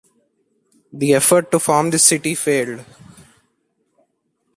The effort to form this city failed.